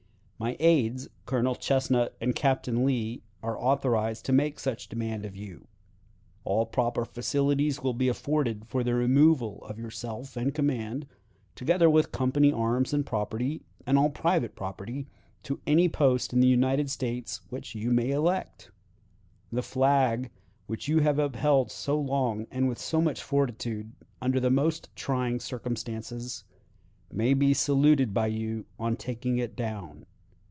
My aides, Colonel Chesnut and Captain Lee, are authorized to make such demand of you. All proper facilities will be afforded for the removal of yourself and command, together with company arms and property, and all private property, to any post in the United States which you may elect. The flag which you have upheld so long and with so much fortitude, under the most trying circumstances, may be saluted by you on taking it down.